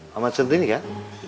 sama cendri kan